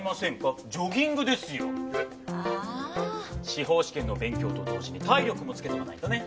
司法試験の勉強と同時に体力もつけとかないとね。